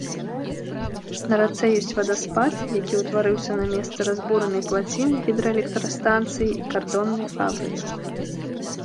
На рацэ ёсць вадаспад, які ўтварыўся на месцы разбуранай плаціны гідраэлектрастанцыі і кардоннай фабрыкі.